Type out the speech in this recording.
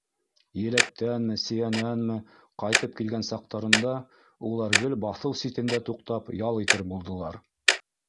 Еләктәнме, сейәнәнме ҡайтып килгән саҡтарында улар гел баҫыу ситендә туҡтап ял итер булдылар.